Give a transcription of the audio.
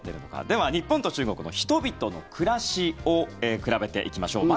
では、日本と中国の人々の暮らしを比べていきましょう。